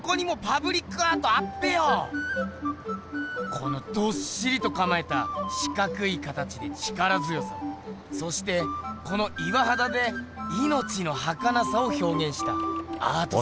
このどっしりとかまえた四角い形で力強さをそしてこの岩はだでいのちのはかなさをひょうげんしたアート作品。